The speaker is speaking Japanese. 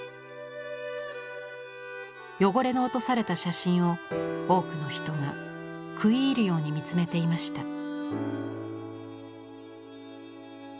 汚れの落とされた写真を多くの人が食い入るように見つめていました。